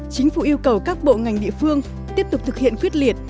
chính phủ yêu cầu các bộ ngành địa phương tiếp tục thực hiện quyết liệt